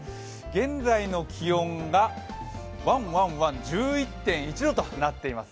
現在の気温が、ワンワンワン、１１．１度となっています、